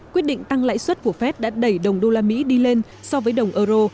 quyết định tăng lãi suất của phép đã đẩy đồng đô la mỹ đi lên so với đồng euro